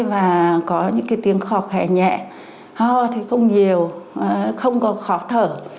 và có những cái tiếng khọc hẻ nhẹ ho thì không nhiều không có khó thở